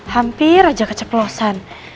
hampir aja keceplosan